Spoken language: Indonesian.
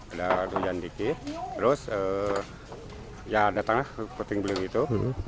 ada hujan dikit terus ya datanglah puting beliung itu